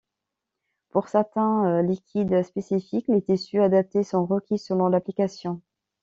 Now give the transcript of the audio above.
Pour certains liquides spécifiques, des tissus adaptés sont requis selon l’application.